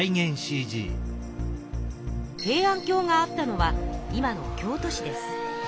平安京があったのは今の京都市です。